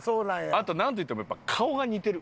あとなんといってもやっぱ顔が似てる。